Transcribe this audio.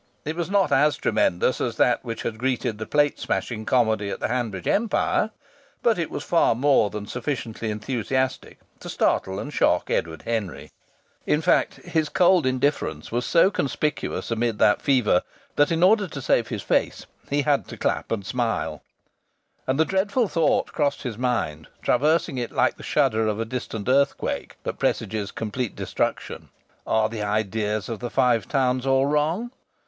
It was not as tremendous as that which had greeted the plate smashing comedy at the Hanbridge Empire, but it was far more than sufficiently enthusiastic to startle and shock Edward Henry. In fact, his cold indifference was so conspicuous amid that fever that in order to save his face he had to clap and to smile. And the dreadful thought crossed his mind, traversing it like the shudder of a distant earthquake that presages complete destruction: "Are the ideas of the Five Towns all wrong?